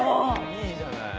いいじゃない。